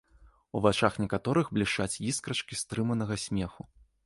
У вачах некаторых блішчаць іскрачкі стрыманага смеху.